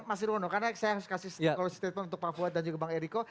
mas nirwono karena saya harus kasih statement untuk pak fuad dan juga bang eriko